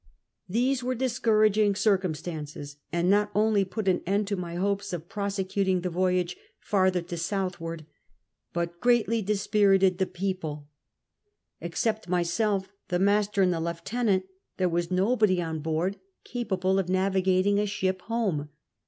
These were discouraging circumstiinces, and not only put an end to my hopes of prosecuting the voyfige farther to southward, hut greatly disjurited the i)e()ple ; except myself, the master, and the lieutenant, there was nobody on board capable of navigating a ship home.